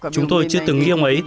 chúng tôi chưa từng nghĩ ông ấy